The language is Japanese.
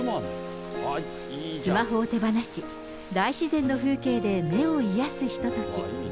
スマホを手放し、大自然の風景で目を癒やすひととき。